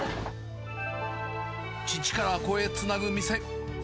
父から子へつなぐ店。